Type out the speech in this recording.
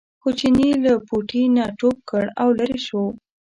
خو چیني له پوټي نه ټوپ کړ او لرې شو.